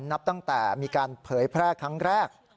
นับตั้งแต่มีการเผยแพร่ครั้งแรก